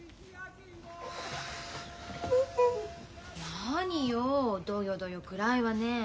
何よどよどよ暗いわね。